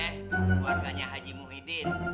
keluarganya haji muhyiddin